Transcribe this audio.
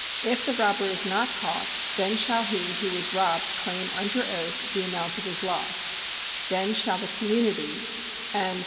If the robber is not caught, then shall he who was robbed claim under oath the amount of his loss; then shall the community, and